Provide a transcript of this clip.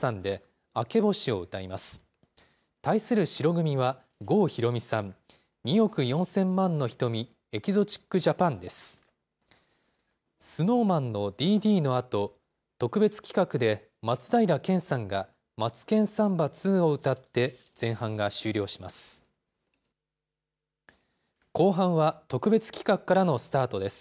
ＳｎｏｗＭａｎのＤ．Ｄ．のあと、特別企画で松平健さんがマツケンサンバＩＩを歌って、前半が終了します。